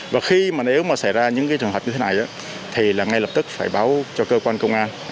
và khi mà nếu mà xảy ra những cái trường hợp như thế này thì là ngay lập tức phải báo cho cơ quan công an